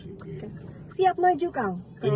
siap maju kang